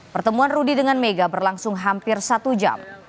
pertemuan rudy dengan mega berlangsung hampir satu jam